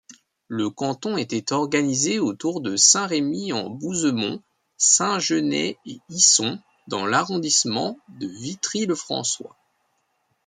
Ce canton était organisé autour de Saint-Remy-en-Bouzemont-Saint-Genest-et-Isson dans l'arrondissement de Vitry-le-François.